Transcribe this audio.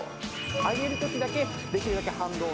上げる時だけできるだけ反動を。